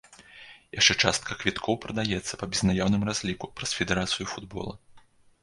Яшчэ частка квіткоў прадаецца па безнаяўным разліку праз федэрацыю футбола.